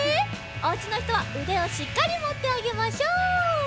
おうちのひとはうでをしっかりもってあげましょう。